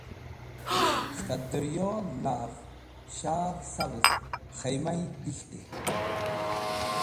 Ska daryo-e lav shadh savz khimayi dek̃htey.